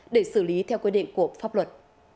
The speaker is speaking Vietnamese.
để xử lý theo quy định của pháp luật